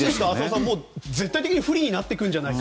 絶対的に不利になってくるんじゃないか。